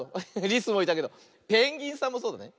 リスもいたけどペンギンさんもそうだね。